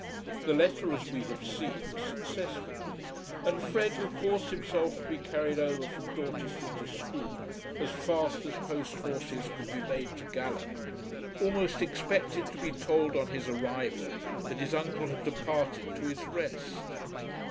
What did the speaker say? The letter, as we have seen, was successful, and Fred, who caused himself to be carried over from Dorchester to Scroope as fast as post horses could be made to gallop, almost expected to be told on his arrival that his uncle had departed to his rest.